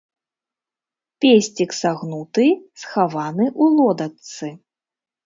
Песцік сагнуты, схаваны ў лодачцы.